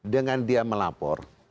dengan dia melapor